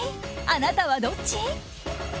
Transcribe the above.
あなたはどっち？